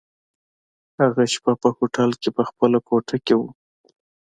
هماغه شپه په هوټل کي په خپله کوټه کي وو.